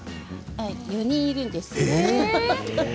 ４人いるんです。